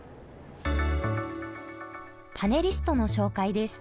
パネリストの紹介です。